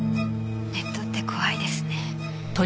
ネットって怖いですね。